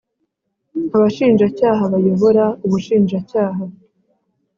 Abashinjacyaha bayobora Ubushinjacyaha